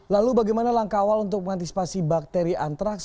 lalu bagaimana langkah awal untuk mengantisipasi bakteri antraks